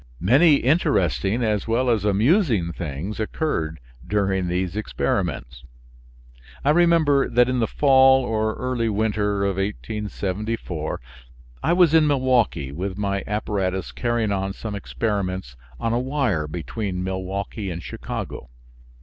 Many interesting as well as amusing things occurred during these experiments. I remember that in the fall or early winter of 1874 I was in Milwaukee with my apparatus carrying on some experiments on a wire between Milwaukee and Chicago.